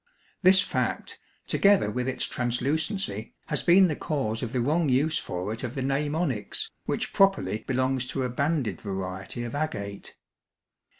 This fact, together with its translucency, has been the cause of the wrong use for it of the name onyx, which properly belongs to a banded variety of agate.